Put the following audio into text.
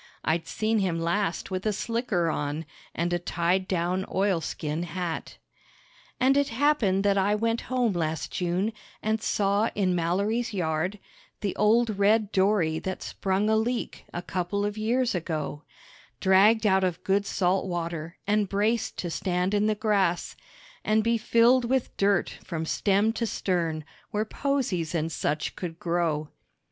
(I'd seen him last with a slicker on and a tied down oilskin hat.) And it happened that I went home last June, and saw in Mallory's yard The old red dory that sprung a leak a couple of years ago, Dragged out of good salt water and braced to stand in the grass And be filled with dirt from stem to stern, where posies and such could grow.